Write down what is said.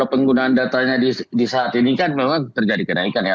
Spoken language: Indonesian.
penggunaan datanya di saat ini kan memang terjadi kenaikan ya